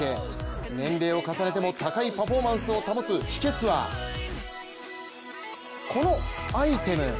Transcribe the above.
年齢を重ねても高いパフォーマンスを保つ秘訣はこのアイテム。